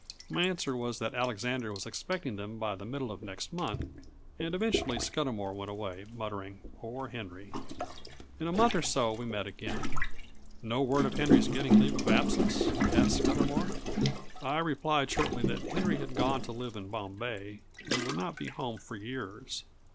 My answer was that Alexander was expecting them by the middle of next month; and eventually Scudamour went away muttering "Poor Henry!" In a month or so we met again. "No word of Henry's getting leave of absence?" asked Scudamour. I replied shortly that Henry had gone to live in Bombay, and would not be home for years.